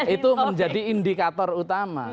itu menjadi indikator utama